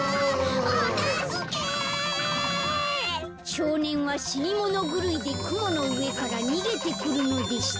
「しょうねんはしにものぐるいでくものうえからにげてくるのでした」。